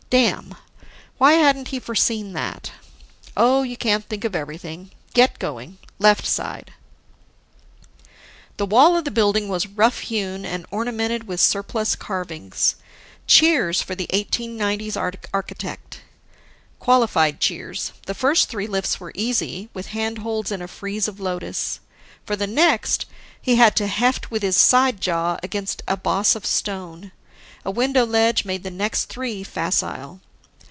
Damn! Why hadn't he foreseen that? Oh, you can't think of everything. Get going, left side. The wall of the building was rough hewn and ornamented with surplus carvings. Cheers for the 1890s architect! Qualified cheers. The first three lifts were easy, with handholds in a frieze of lotus. For the next, he had to heft with his side jaw against a boss of stone. A window ledge made the next three facile.